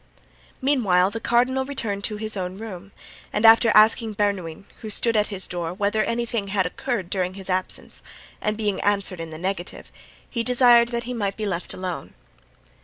Meanwhile the cardinal returned to his own room; and after asking Bernouin, who stood at the door, whether anything had occurred during his absence, and being answered in the negative, he desired that he might be left alone.